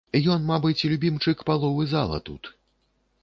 Ён, мабыць, любімчык паловы зала тут!